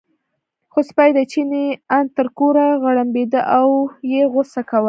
خو سپی دی، چیني ان تر کوره غړمبېده او یې غوسه کوله.